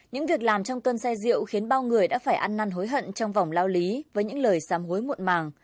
những việc làm trong cơn say rượu khiến bao người đã phải ăn năn hối hận trong vòng lao lý với những lời xăm hối muộn màng